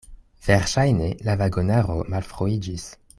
Verŝajne la vagonaro malfruiĝis.